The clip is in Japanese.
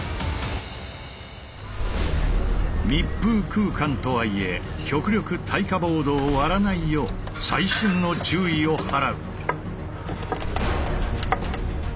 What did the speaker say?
密封空間とはいえ極力耐火ボードを割らないよう細心の注意を払う。